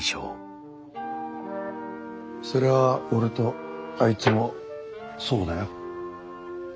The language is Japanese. それは俺とあいつもそうだよ。